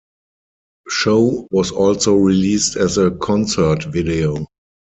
"Show" was also released as a concert video.